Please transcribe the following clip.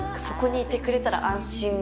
そこにいてくれたら安心。